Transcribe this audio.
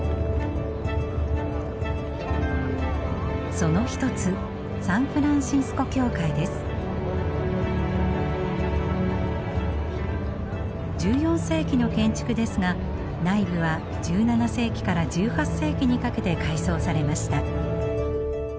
その一つ１４世紀の建築ですが内部は１７世紀から１８世紀にかけて改装されました。